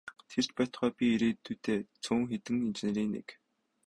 Тэр ч байтугай их ирээдүйтэй цөөн хэдэн инженерийн нэг.